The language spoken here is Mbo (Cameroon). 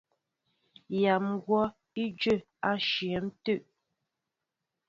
Nyam kɔ̂w í dyə́ə́ á ǹshwɛn tə̂.